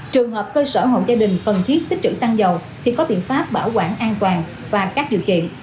trường hợp cơ sở hộ gia đình cần thiết tích trữ xăng dầu thì có biện pháp bảo quản an toàn và các điều kiện